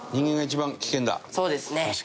そうですね。